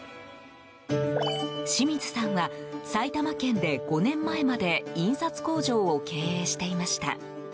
清水さんは埼玉県で５年前まで印刷工場を経営していました。